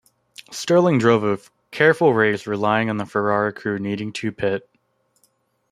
Stirling drove a careful race, relying on the Ferrari crew needing to pit.